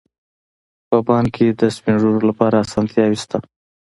په بانک کې د سپین ږیرو لپاره اسانتیاوې شته.